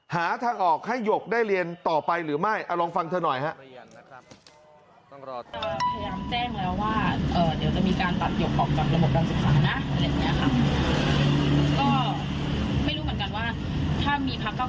หาทางออกให้หยกได้เรียนต่อไปหรือไม่เอาลองฟังเธอหน่อยฮะ